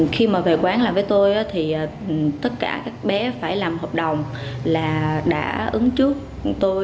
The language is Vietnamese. khi mà về quán làm với tôi thì tất cả các bé phải làm hợp đồng là đã ứng trước tôi